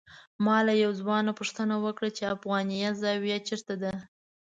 ما له یو ځوان نه پوښتنه وکړه چې افغانیه زاویه چېرته ده.